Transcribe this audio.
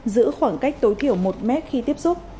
giữ khoảng cách tối thiểu một mét khi tiếp xúc